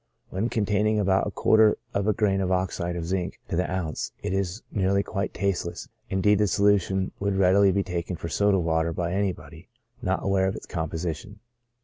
When containing about a quarter of a grain of oxide of zinc to the ounce, it is nearly quite tasteless ; indeed, the solution would readily be taken for soda water by anybody not aware of its composition.